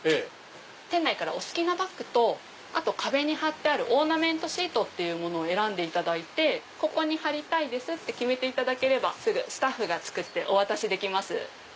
店内からお好きなバッグと壁に張ってあるオーナメントシートを選んでここに張りたいですって決めていただければすぐスタッフが作ってお渡しできます。